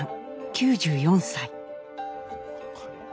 ９４歳。